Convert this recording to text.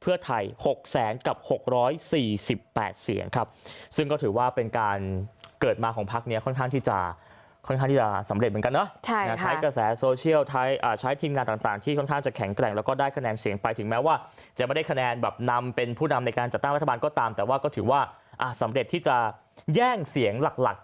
เพื่อไทย๖แสนกับ๖๔๘เสียงครับซึ่งก็ถือว่าเป็นการเกิดมาของพักนี้ค่อนข้างที่จะค่อนข้างที่จะสำเร็จเหมือนกันเนาะใช้กระแสโซเชียลใช้ทีมงานต่างที่ค่อนข้างจะแข็งแกร่งแล้วก็ได้คะแนนเสียงไปถึงแม้ว่าจะไม่ได้คะแนนแบบนำเป็นผู้นำในการจัดตั้งรัฐบาลก็ตามแต่ว่าก็ถือว่าสำเร็จที่จะแย่งเสียงหลัก